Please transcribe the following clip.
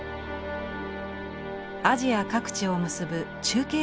アジア各地を結ぶ中継